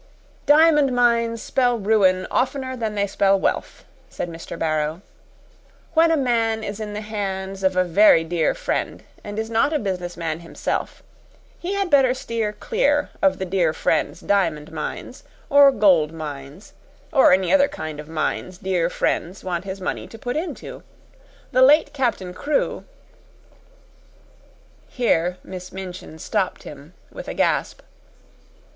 "Diamond mines spell ruin oftener than they spell wealth," said Mr. Barrow. "When a man is in the hands of a very dear friend and is not a businessman himself, he had better steer clear of the dear friend's diamond mines, or gold mines, or any other kind of mines dear friends want his money to put into. The late Captain Crewe " Here Miss Minchin stopped him with a gasp.